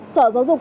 sở giáo dục